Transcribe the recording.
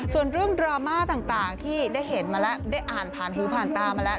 ส่วนเรื่องดราม่าต่างที่ได้เห็นมาแล้วได้อ่านผ่านหูผ่านตามาแล้ว